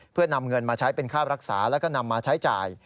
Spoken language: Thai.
เพื่อนำเงินมาใช้เป็นค่ารักษาแล้วก็นำมาใช้จ่าย